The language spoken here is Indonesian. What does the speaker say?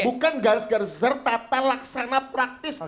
bukan garis garis bertata laksana praktis